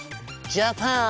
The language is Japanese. ジャパーン！